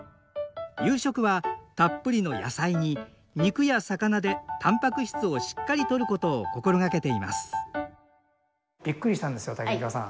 夕食はたっぷりの野菜に肉や魚でたんぱく質をしっかりとることを心掛けていますびっくりしたんですよタキミカさん。